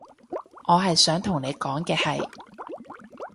我係想同你講嘅係